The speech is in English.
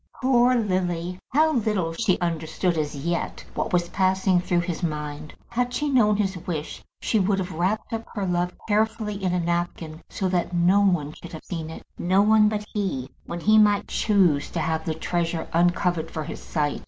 Poor Lily! How little she understood as yet what was passing through his mind. Had she known his wish she would have wrapped up her love carefully in a napkin, so that no one should have seen it, no one but he, when he might choose to have the treasure uncovered for his sight.